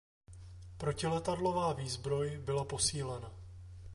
Protiletadlová výzbroj byla posílena.